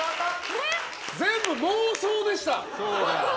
全部、妄想でした。